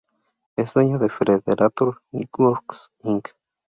Es dueño de Frederator Networks, Inc.